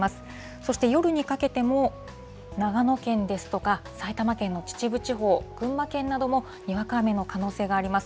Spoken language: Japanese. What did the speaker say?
そして夜にかけても、長野県ですとか、埼玉県の秩父地方、群馬県などもにわか雨の可能性があります。